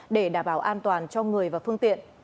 để đảm bảo an toàn cho người và phương tiện